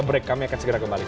break kami akan segera kembali